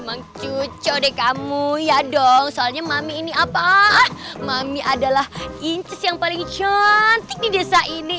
memang cucode kamu ya dong soalnya mami ini apa mami adalah inces yang paling cantik di desa ini